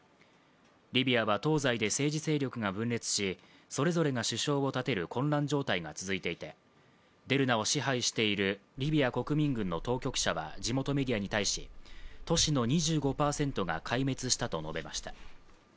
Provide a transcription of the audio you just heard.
リビアは東西で政治勢力が分裂し、それぞれが首相を立てる混乱状態が続いていてデルナを支配しているリビア国民軍の当局者は地元メディアに対し、都市の２５％が壊滅したと述べました。